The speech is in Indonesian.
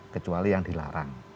kecuali yang dilarang